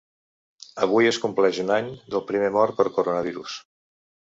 Avui es compleix un any del primer mort per coronavirus.